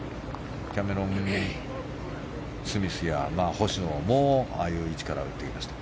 キャメロン・スミスや星野も、ああいう位置から打っていきました。